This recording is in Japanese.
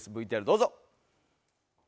ＶＴＲどうぞ。